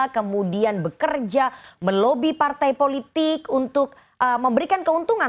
kemudian bekerja melobi partai politik untuk memberikan keuntungan